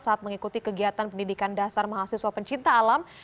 saat mengikuti kegiatan pendidikan dasar mahasiswa pencinta alam